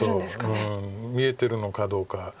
そう見えてるのかどうか。